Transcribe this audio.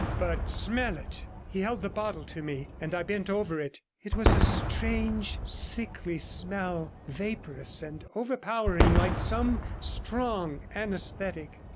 But smell it.' He held the bottle to me, and I bent over it. It was a strange, sickly smell, vaporous and overpowering, like some strong anaesthetic.